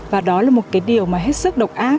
và đó là một cái điều mà hết sức độc ác